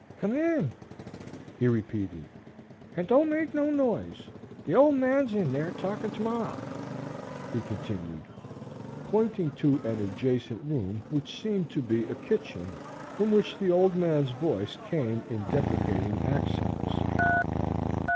"Come in," he repeated, "and don't make no noise. The Old Man's in there talking to mar," he continued, pointing to an adjacent room which seemed to be a kitchen, from which the Old Man's voice came in deprecating accents.